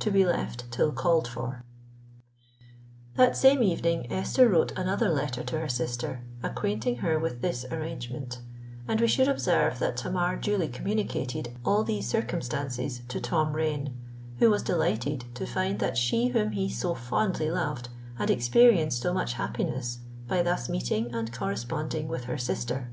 To be left till called for._" That same evening Esther wrote another letter to her sister, acquainting her with this arrangement; and we should observe that Tamar duly communicated all these circumstances to Tom Rain, who was delighted to find that she whom he so fondly loved had experienced so much happiness by thus meeting and corresponding with her sister.